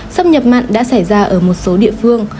xâm nhập mặn đã xảy ra ở một số địa phương